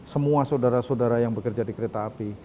semua saudara saudara yang bekerja di kereta api